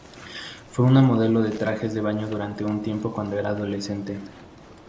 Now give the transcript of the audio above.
Fue una modelo de trajes de baño durante un tiempo cuando era adolescente.